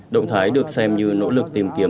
động thái được xem như nỗ lực tìm kiếm